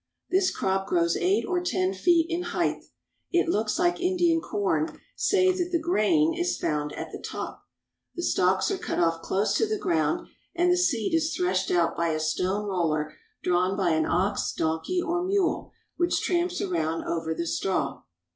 This crop grows eight or ten feet in height. It looks like Indian corn, save that the grain is found at the top. The stalks are cut off close to the ground, and the seed is threshed out by a stone roller 146 MONGOLIA AND MANCHURIA drawn by an ox, donkey, or mule, which tramps around over the straw.